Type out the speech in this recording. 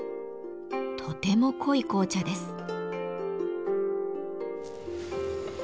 とても濃い紅茶です。